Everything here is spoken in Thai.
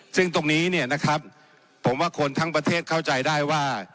ซึ่งตรงนี้เนี่ยนะครับผมว่าคนทั้งประเทศเข้าใจได้ว่า